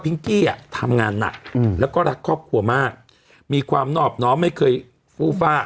กี้อ่ะทำงานหนักแล้วก็รักครอบครัวมากมีความนอบน้อมไม่เคยฟูฟ่า